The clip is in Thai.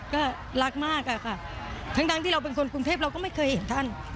ก็รักมากอะค่ะทั้งที่เราเป็นคนกรุงเทพเราก็ไม่เคยเห็นท่าน